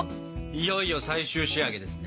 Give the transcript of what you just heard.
いよいよ最終仕上げですね。